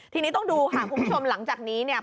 ทีนี้ต้องดูค่ะคุณผู้ชมหลังจากนี้เนี่ย